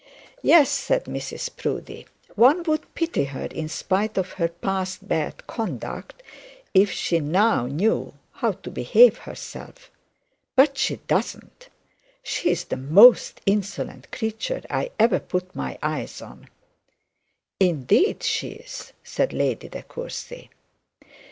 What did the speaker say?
'Yes,' said Mrs Proudie; 'one would pity her, in spite of her past bad conduct, if she knew how to behave herself. But she does not. She is the most insolent creature I have ever put my eyes on.' 'Indeed she is,' said Lady De Courcy.